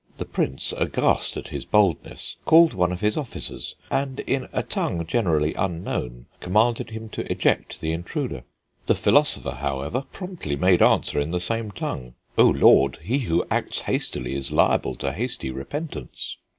The Prince, aghast at his boldness, called one of his officers, and in a tongue generally unknown commanded him to eject the intruder. The philosopher, however, promptly made answer in the same tongue: 'Oh, Lord, he who acts hastily is liable to hasty repentance.'